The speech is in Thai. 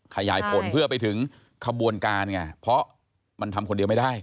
ขยายผลเพื่อไปถึงขบวนการไงเพราะมันทำคนเดียวไม่ได้